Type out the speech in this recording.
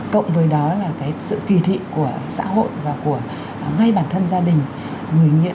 cộng với đó là cái sự kỳ thị của xã hội và của ngay bản thân gia đình